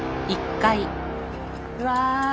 うわ。